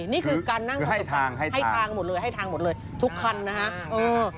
นี่คือการนั่งให้ทางหมดเลยให้ทางหมดเลยทุกคันนะฮะเออ